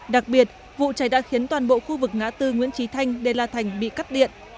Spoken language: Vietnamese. đặc biệt vụ cháy đã khiến toàn bộ khu vực ngã tư nguyễn trí thanh đê la thành bị cắt điện